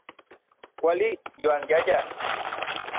Kuali yoanyayaj.